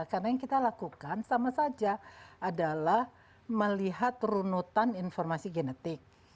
karena yang kita lakukan sama saja adalah melihat runutan informasi genetik